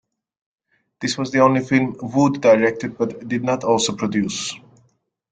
This was the only film Wood directed but did not also produce.